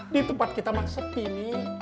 di tempat kita mah sepi mi